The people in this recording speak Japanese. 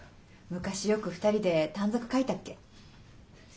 昔よく２人で短冊書いたっけ。